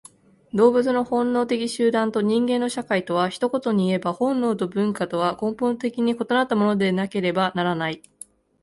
動物の本能的集団と人間の社会とは、一言にいえば本能と文化とは根本的に異なったものでなければならない。